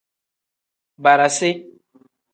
Barasi.